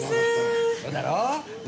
そうだろう？